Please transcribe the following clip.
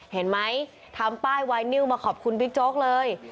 เห็นไหมทำป้ายไวนิวมาขอบคุณบิ๊กโจ๊กเลย